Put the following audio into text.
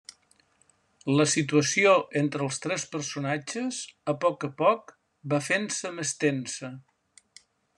La situació entre els tres personatges, a poc a poc, va fent-se més tensa.